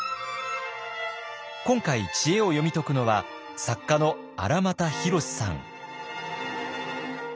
今回知恵を読み解くのは作家の荒俣宏さん。